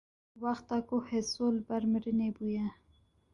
wexta ku Heso li ber mirinê bûye